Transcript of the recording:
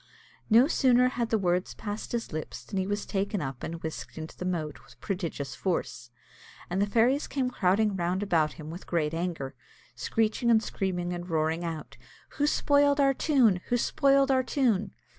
No sooner had the words passed his lips than he was taken up and whisked into the moat with prodigious force; and the fairies came crowding round about him with great anger, screeching and screaming, and roaring out, "Who spoiled our tune? who spoiled our tune?"